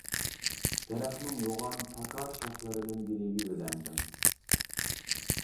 دەرەخنىڭ يوغان پاكار شاخلىرىدىن بىرىگە يۆلەندىڭ.